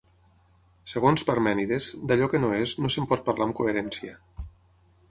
Segons Parmènides, d'allò que no és, no se'n pot parlar amb coherència.